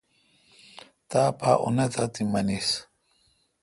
تاپا انت آ تی منیس۔